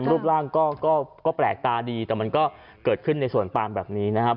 รูปร่างก็แปลกตาดีแต่มันก็เกิดขึ้นในสวนปามแบบนี้นะครับ